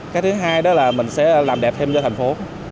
cái thứ hai đó là mình sẽ làm đẹp thêm cho thành phố